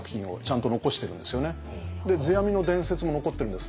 世阿弥の伝説も残ってるんです。